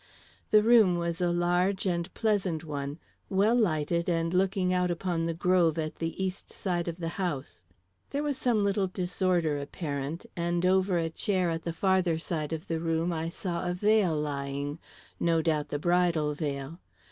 The room was a large and pleasant one, well lighted and looking out upon the grove at the east side of the house. There was some little disorder apparent, and over a chair at the farther side of the room I saw a veil lying no doubt the bridal veil.